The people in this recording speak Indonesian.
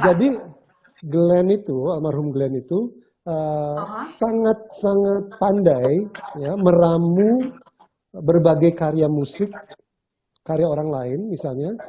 jadi glenn itu almarhum glenn itu sangat sangat pandai meramu berbagai karya musik karya orang lain misalnya